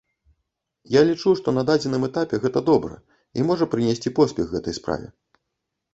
Я лічу, што на дадзеным этапе гэта добра, і можа прынесці поспех гэтай справе.